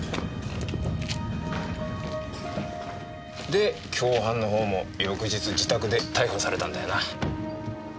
で共犯のほうも翌日自宅で逮捕されたんだよな。